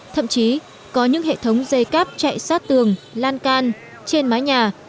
thậm chí có những hệ thống dây cáp chạy sát tường lan can trên mái nhà